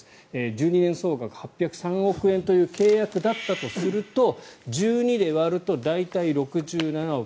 １２年総額、８０３億円という契約だったとすると１２で割ると大体６７億。